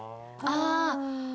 ああ。